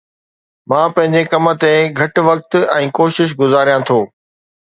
مان پنھنجي ڪم تي گھٽ وقت ۽ ڪوشش گذاريان ٿو